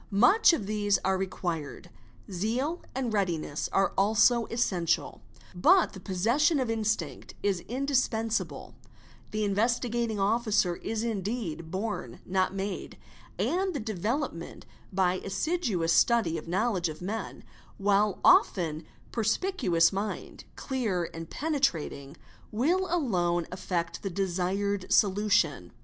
Much of these are required; zeal and readiness are also essential; but the possession of instinct is indis 1] ensible—the Investigating Officer is indeed born not made—and the evelopment by assiduous study of knowledge of men; while often a e spicuous mind, clear and penetrating, will alone effect the desired olution.